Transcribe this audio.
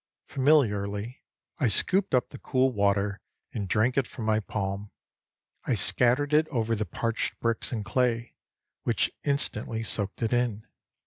Familiarly I scooped up the cool water and drank it from my palm. I scattered it over the parched bricks and clay, which instantly soaked it in.